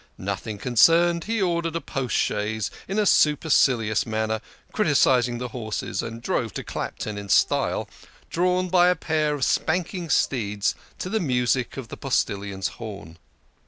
Nothing concerned, he ordered a post chaise in a supercilious manner, criticising the horses, and drove to Clapton in style, drawn by a pair of spanking steeds, to the music of the postillion's horn.